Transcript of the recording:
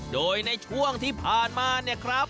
โดยในช่วงที่ผ่านมา